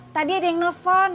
tadi ada yang nelfon